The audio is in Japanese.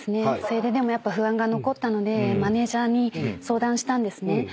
でもやっぱ不安が残ったのでマネジャーに相談したんですね。